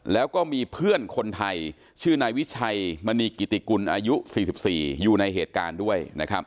แล้วก็มีเพื่อนคนไทยชื่อนายวิชัยมณีกิติกุลอายุ๔๔อยู่ในเหตุการณ์ด้วยนะครับ